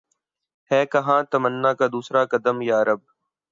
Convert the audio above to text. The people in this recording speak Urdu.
ہے کہاں تمنا کا دوسرا قدم یا رب